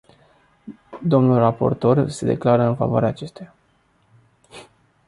Domnul raportor se declară în favoarea acestuia.